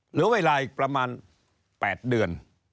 เหลือเวลาอีกประมาณ๘เดือน